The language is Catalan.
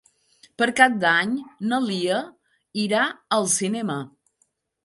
Per Cap d'Any na Lia irà al cinema.